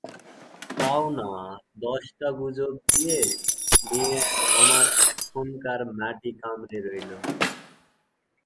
তাও না, দশটা গুজর দিয়ে মেয়ে আমার এখানকার মাটি কামড়ে রইল।